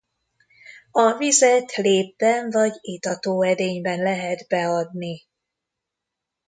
A vizet lépben vagy itató edényben lehet beadni.